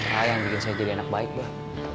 raya yang bikin saya jadi anak baik abah